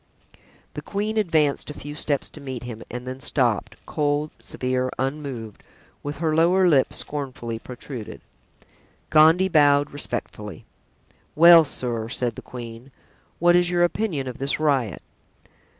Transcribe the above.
The queen advanced a few steps to meet him, and then stopped, cold, severe, unmoved, with her lower lip scornfully protruded. Gondy bowed respectfully. "Well, sir," said the queen, "what is your opinion of this riot?"